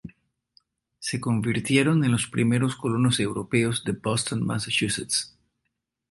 Se convirtieron en los primeros colonos europeos de Boston, Massachusetts.